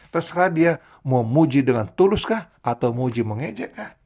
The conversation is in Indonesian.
terserah dia mau muji dengan tulus kah atau muji mengejek